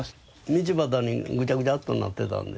道端にぐちゃぐちゃっとなってたんで。